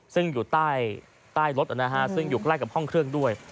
ซึ่งอยู่ใต้รถซึ่งอยู่ใกล้กับห้องเครื่องด้วย